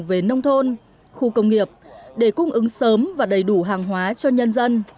về nông thôn khu công nghiệp để cung ứng sớm và đầy đủ hàng hóa cho nhân dân